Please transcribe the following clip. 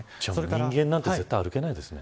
じゃあ人間なんて絶対、歩けないですね。